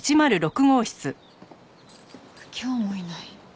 今日もいない。